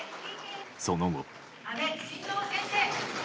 その後。